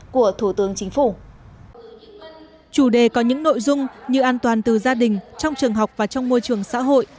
chủ đề có những nội dung như an toàn từ gia đình trong trường học và trong môi trường xã hội